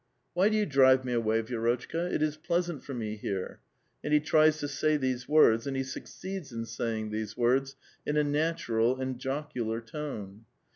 " Why do you drive me away, Vi6rotchka? It is pleasant for me here," and he tries to say these words, and he suc ceeds in saying these words, in a natural and jocular tone.